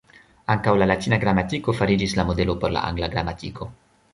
Ankaŭ la latina gramatiko fariĝis la modelo por la angla gramatiko.